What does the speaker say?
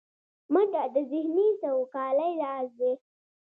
منډه د ذهني سوکالۍ راز دی